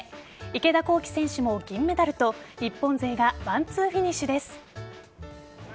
池田向希選手も銀メダルと日本勢がワンツーフィニッシュです。